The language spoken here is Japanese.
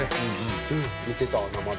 見てたわ生で。